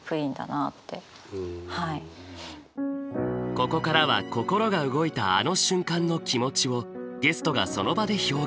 ここからは心が動いたあの瞬間の気持ちをゲストがその場で表現。